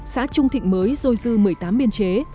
xã trung thịnh mới dôi dư một mươi tám biên chế